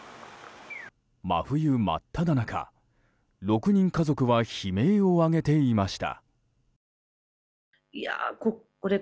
真冬真っただ中、６人家族は悲鳴を上げていました。